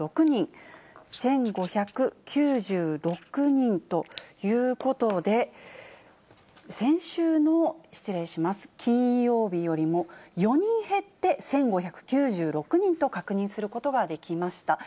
１５９６人、１５９６人ということで、先週の、失礼します、金曜日よりも４人減って、１５９６人と確認することができました。